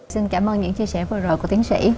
xin cảm ơn những chia sẻ vừa rồi của tiến sĩ